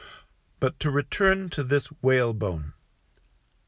But to return to this Whalebone.